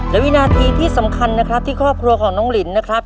และวินาทีที่สำคัญนะครับที่ครอบครัวของน้องลินนะครับ